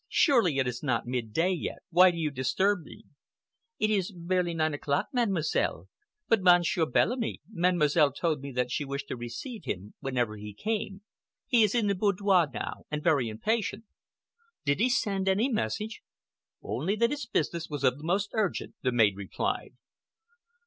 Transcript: "Surely it is not mid day yet? Why do you disturb me?" "It is barely nine o'clock, Mademoiselle, but Monsieur Bellamy—Mademoiselle told me that she wished to receive him whenever he came. He is in the boudoir now, and very impatient." "Did he send any message?" "Only that his business was of the most urgent," the maid replied.